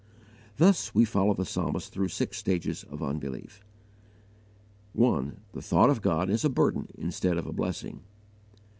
Thus we follow the Psalmist through six stages of unbelief: 1. The thought of God is a burden instead of a blessing.